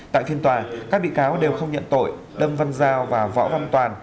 tại phiên tòa các bị cáo đều không nhận tội đâm văn giao và võ văn toàn